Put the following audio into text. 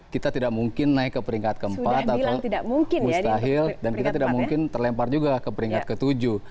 kita tidak mungkin naik ke peringkat keempat atau mustahil dan kita tidak mungkin terlempar juga ke peringkat ke tujuh